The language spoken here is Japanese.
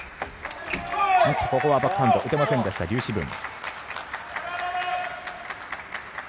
ここはバックハンド打てませんでしたリュウ・シブン。